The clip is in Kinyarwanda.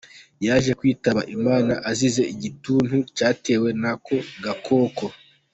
Yaje kwitaba Imana azize igituntu cyatewe n’ako gakoko.